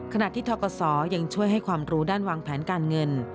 ขณะที่ทกศยังช่วยให้ความรู้ด้านวางแผนการเงิน